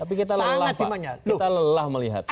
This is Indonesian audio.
tapi kita lelah melihat